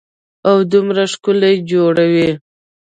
او دومره يې ښکلي جوړوي.